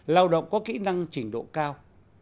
lao động có kỹ năng trình độ cao